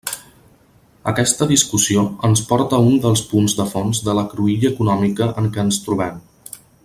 Aquesta discussió ens porta a un dels punts de fons de la cruïlla econòmica en què ens trobem.